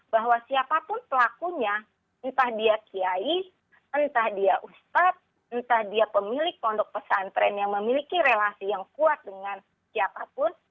bahwa siapapun pelakunya entah dia kiai entah dia ustadz entah dia pemilik pondok pesantren yang memiliki relasi yang kuat dengan siapapun